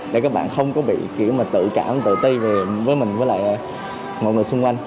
để các bạn không có bị kiểu mà tự cảm tự ti với mình với lại mọi người xung quanh